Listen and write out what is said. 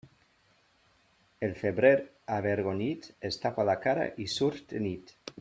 El febrer avergonyit es tapa la cara i surt de nit.